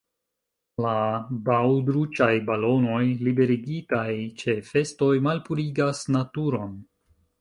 La baŭdruĉaj balonoj liberigitaj ĉe festoj malpurigas naturon.